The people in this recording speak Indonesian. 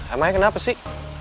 emangnya kenapa sih